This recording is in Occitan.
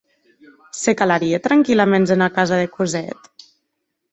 Se calarie tranquillaments ena casa de Cosette?